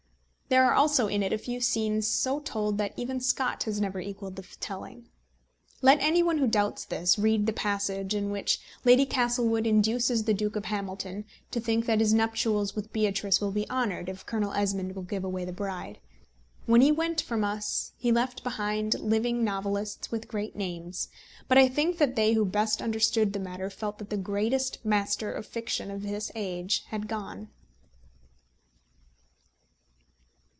There are also in it a few scenes so told that even Scott has never equalled the telling. Let any one who doubts this read the passage in which Lady Castlewood induces the Duke of Hamilton to think that his nuptials with Beatrice will be honoured if Colonel Esmond will give away the bride. When he went from us he left behind living novelists with great names; but I think that they who best understood the matter felt that the greatest master of fiction of this age had gone.